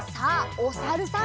おさるさん。